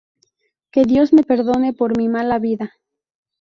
Que Dios me perdone por mi mala vida.